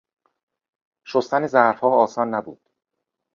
شستن ظرفها آسان نبود.